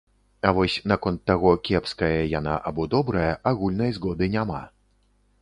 А вось наконт таго, кепская яна або добрая, агульнай згоды няма.